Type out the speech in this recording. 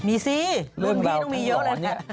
มีสิเรื่องพี่ต้องมีเยอะเลยนะ